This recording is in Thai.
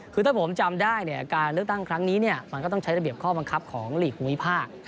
คือถ้าผมจำได้เนี่ยการเลือกตั้งครั้งนี้มันก็ต้องใช้ระเบียบข้อบังคับของหลีกภูมิภาค